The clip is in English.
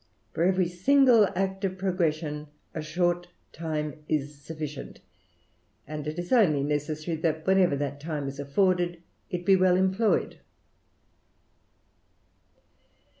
For every single act of progression a short time is sufficient ; and it is only necessary, that whenever that time is afforded, it be well employed.